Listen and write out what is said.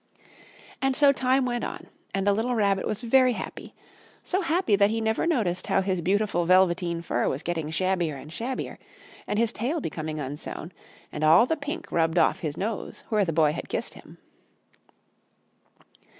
And so time went on, and the little Rabbit was very happy so happy that he never noticed how his beautiful velveteen fur was getting shabbier and shabbier, and his tail becoming unsewn, and all the pink rubbed off his nose where the Boy had kissed him.